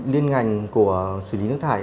liên ngành của xử lý nước thải